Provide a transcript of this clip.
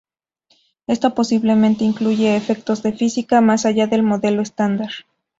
Esto posiblemente incluye efectos de física más allá del modelo estándar.